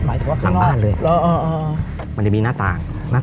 หมายถึงว่าข้างหน้าหลังบ้านเลยอ๋ออ๋ออ๋อมันได้มีหน้าต่างหน้าต่าง